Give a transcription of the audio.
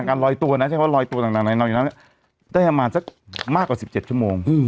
การลอยตัวนะใช่ไหมว่าลอยตัวต่างได้อ่ะมาสักมากกว่าสิบเจ็ดชั่วโมง